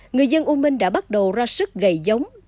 người dân u minh đã bắt đầu ra sức gầy giống